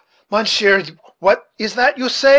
mounsheer, what is that you say?"